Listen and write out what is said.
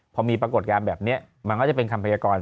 พอมีปรากฏการณ์แบบนี้มันก็จะเป็นคำพยากร